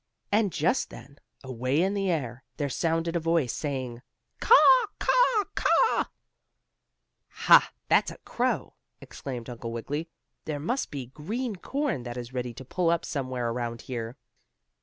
And just then, away in the air, there sounded a voice saying: "Caw! Caw! Caw!" "Ha! That's a crow," exclaimed Uncle Wiggily. "There must be green corn that is ready to pull up somewhere around here."